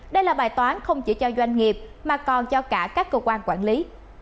đây là bài toán không chỉ cho doanh nghiệp mà còn cho cả các cơ quan quản lý